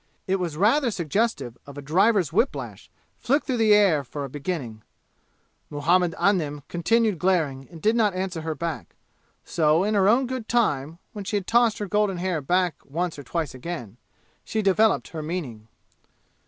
It was rather suggestive of a driver's whiplash, flicked through the air for a beginning. Muhammad Anim continued glaring and did not answer her, so in her own good time, when she had tossed her golden hair back once or twice again, she developed her meaning.